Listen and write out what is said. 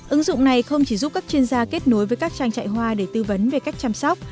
ứng dụng này không chỉ giúp các chuyên gia kết nối với các trang trại hoa để tư vấn về cách chăm sóc